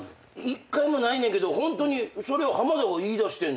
１回もないねんけどホントにそれを浜田が言いだしてんのよね。